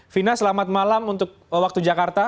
vina selamat malam untuk waktu jakarta